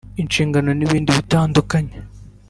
inshingano n’ibindi bitandukanye